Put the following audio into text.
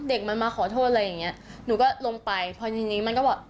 เด็กมันมาขอโทษอะไรอย่างเงี้ยหนูก็ลงไปพอทีนี้มันก็แบบ